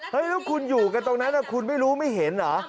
แล้วคุณอยู่กันตรงนั้นคุณไม่รู้ไม่เห็นเหรอ